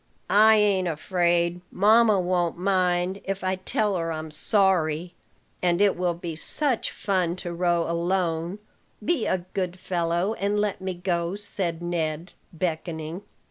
"I ain't afraid: mamma won't mind, if I tell her I'm sorry; and it will be such fun to row alone. Be a good fellow, and let me go," said Ned, beckoning.